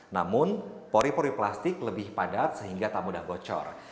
namun pori pori plastik lebih padat sehingga tak mudah bocor